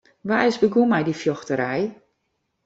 Wa is begûn mei dy fjochterij?